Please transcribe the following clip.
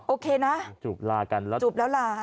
โอเคนะจูบลากันแล้วจูบแล้วลา